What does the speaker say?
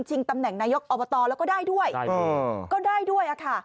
ตำแหน่งนายกอบตแล้วก็ได้ด้วยก็ได้ด้วยค่ะ